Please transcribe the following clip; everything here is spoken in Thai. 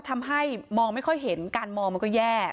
พระเจ้าที่อยู่ในเมืองของพระเจ้า